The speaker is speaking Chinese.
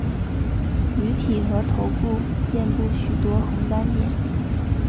鱼体和头部遍布许多红斑点。